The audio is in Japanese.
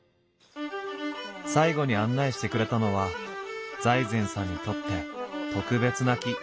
最後に案内してくれたのは財前さんにとって特別な木。